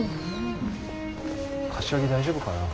柏木大丈夫かな。